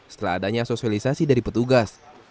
setelah adanya sosialisasi dari petugas